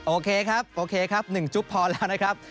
โอเคครับโอเคครับ๑จุ๊บพอแล้วนะครับ